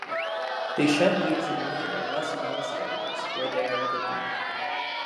They shed leaves in winter unless in moist areas, where they are evergreen.